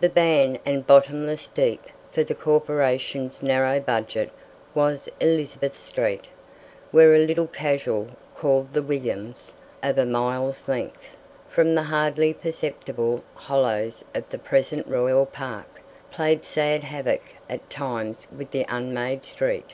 The bane and bottomless deep for the corporation's narrow budget was Elizabeth street, where a little "casual" called "The Williams," of a mile's length, from the hardly perceptible hollows of the present Royal Park, played sad havoc at times with the unmade street.